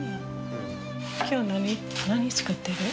今日何作ってる？